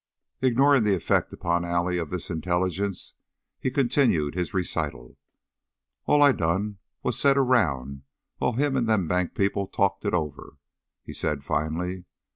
Ignoring the effect upon Allie of this intelligence, he continued his recital. "All I done was set around while him an' them bank people talked it over," he said, finally.